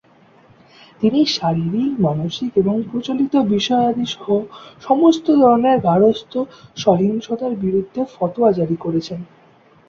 তিনি শারীরিক, মানসিক এবং প্রচলিত বিষয়াদি সহ সমস্ত ধরণের গার্হস্থ্য সহিংসতার বিরুদ্ধে ফতোয়া জারি করেছেন।